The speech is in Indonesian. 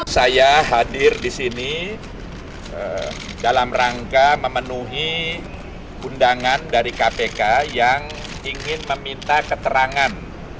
saya hadir di sini dalam rangka memenuhi undangan dari kpk yang ingin meminta keterangan